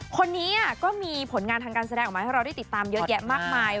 คนนี้ก็มีผลงานทางการแสดงออกมาให้เราได้ติดตามเยอะแยะมากมาย